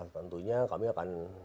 tentunya kami akan